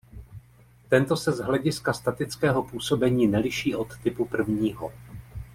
Tento se z hlediska statického působení neliší od typu prvního.